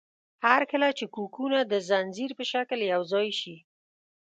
هر کله چې کوکونه د ځنځیر په شکل یوځای شي.